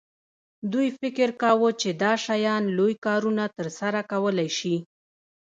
دوی فکر کاوه چې دا شیان لوی کارونه ترسره کولی شي